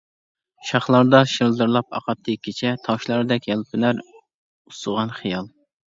شاخلاردا شىلدىرلاپ ئاقاتتى كېچە، تاشلاردەك يەلپۈنەر ئۇسسىغان خىيال.